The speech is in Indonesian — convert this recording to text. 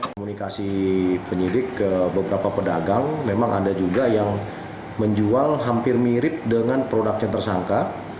komunikasi penyidik ke beberapa pedagang memang ada juga yang menjual hampir mirip dengan produknya tersangka